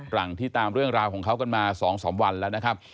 หลังที่ตามเรื่องราวของเขากันมา๒๓วันแล้วนะครับ